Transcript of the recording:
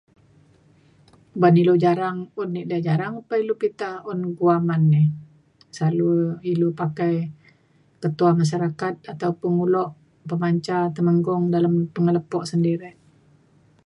ban ilu jarang un ida jarang pa ilu pita un guaman ni. selalu ilu pakai ketua masyarakat atau pengulu pemanca temenggong dalem pengelepo sedirek